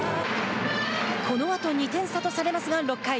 このあと２点差とされますが６回。